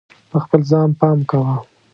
په خپل ځان پام کوه.